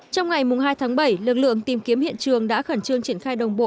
trong ngày hai tháng bảy lực lượng tìm kiếm hiện trường đã khẩn trương triển khai đồng bộ